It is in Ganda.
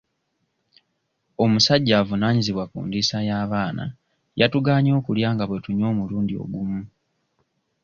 Omusajja avunaanyizibwa ku ndiisa y'abaana yatugaanye okulya nga bwe tunywa omulundi ogumu.